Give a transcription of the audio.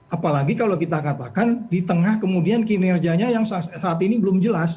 apalagi kalau kita katakan di tengah kemudian kinerjanya yang saat ini belum jelas